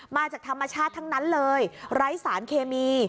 มาจากธรรมชาติทั้งนั้นเลยไร้สารเคมี